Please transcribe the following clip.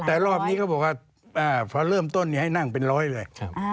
แต่รอบนี้เขาบอกว่าพอเริ่มต้นให้นั่งเป็นร้อยเลย